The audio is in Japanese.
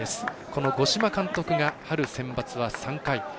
この五島監督が春センバツは３回。